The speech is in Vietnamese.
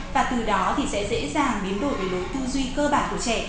và từ đó thì sẽ dễ dàng biến đổi lối tư duy cơ bản của trẻ